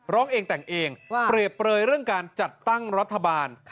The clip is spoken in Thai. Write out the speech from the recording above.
ร้องเองแต่งเองเปรียบเปลยเรื่องการจัดตั้งรัฐบาล